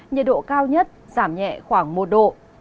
nhiệt độ cao nhất giảm nhẹ khoảng một độ